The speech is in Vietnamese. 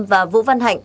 và vũ văn hạnh